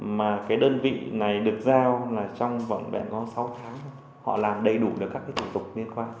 mà cái đơn vị này được giao là trong vòng bảy sáu tháng họ làm đầy đủ các thủ tục liên quan